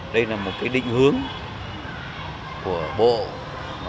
đây là một định hướng của bộ cục du lịch quốc gia